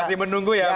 masih menunggu ya